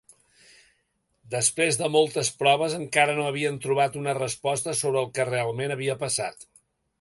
Després de moltes proves encara no havien trobat una resposta sobre el que realment havia passat.